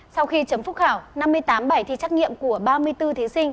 sau khi chấm phúc khảo năm mươi tám bài thi trắc nghiệm của ba mươi bốn thí sinh